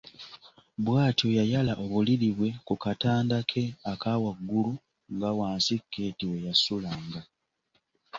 Bwatyo yayala obuliri bwe ku katanda ke ak’awaggulu nga wansi Keeti we yasulanga.